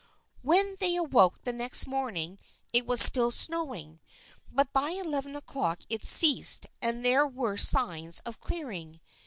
When they awoke the next morning it was still snowing, but by eleven o'clock it ceased and there were signs of clearing.